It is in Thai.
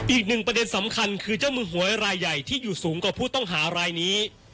อีกหนึ่งประเด็นสำคัญคือเจ้ามือหวยรายใหญ่ที่อยู่สูงกว่าผู้ต้องหารายนี้